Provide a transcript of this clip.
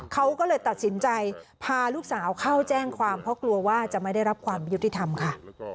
เขาก็เลยตัดสินใจพาลูกสาวเข้าแจ้งความเพราะกลัวว่าจะไม่ได้รับความยุติธรรมค่ะ